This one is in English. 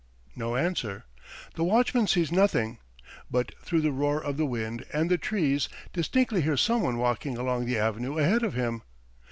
No answer. The watchman sees nothing, but through the roar of the wind and the trees distinctly hears someone walking along the avenue ahead of him.